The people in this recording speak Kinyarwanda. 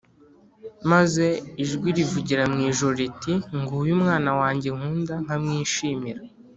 maze ijwi rivugira mu ijuru riti “Nguyu Umwana wanjye nkunda nkamwishimira.”